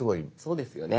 そうですよね。